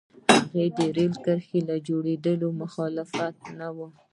هغوی د رېل کرښې له جوړېدو مخالف نه وو.